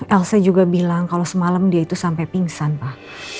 elsa juga bilang kalau semalam dia itu sampai pingsan pak